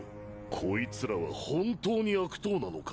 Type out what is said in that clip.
こいつらは本当に悪党なのか？